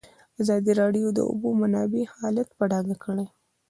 ازادي راډیو د د اوبو منابع حالت په ډاګه کړی.